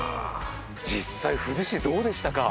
実際富士市どうでしたか？